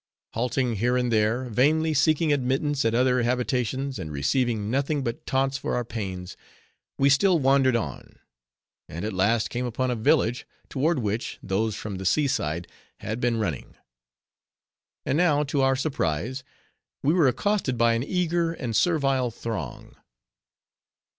Halting here and there, vainly seeking admittance at other habitations, and receiving nothing but taunts for our pains, we still wandered on; and at last came upon a village, toward which, those from the sea side had been running. And now, to our surprise, we were accosted by an eager and servile throng.